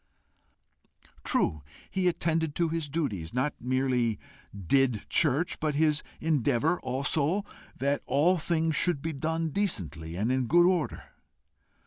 True, he attended to his duties; not merely "did church," but his endeavour also that all things should be done decently and in order.